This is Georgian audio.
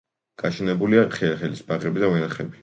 გაშენებულია ხეხილის ბაღები და ვენახები.